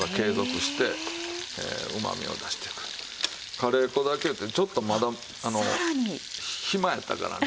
カレー粉だけやったらちょっとまだ暇やったからね。